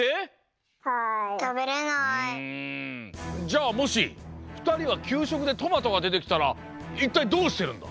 じゃあもしふたりはきゅうしょくでトマトが出てきたらいったいどうしてるんだ？